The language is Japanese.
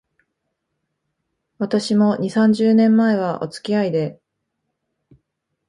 私も、二、三十年前は、おつきあいで